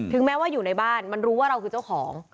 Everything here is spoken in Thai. แม้ว่าอยู่ในบ้านมันรู้ว่าเราคือเจ้าของ